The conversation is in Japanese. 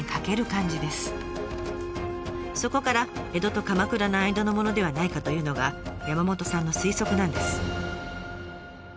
そこから江戸と鎌倉の間のものではないかというのが山本さんの推測なんです。